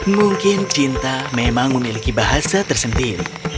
mungkin cinta memang memiliki bahasa tersendiri